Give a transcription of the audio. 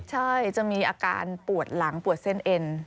ใช่จะมีอาการปวดหลังปวดเส้นเอ็น